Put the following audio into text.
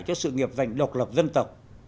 cho sự nghiệp dành độc lập dân tộc